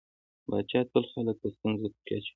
پاچا تل خلک په ستونزو کې اچوي.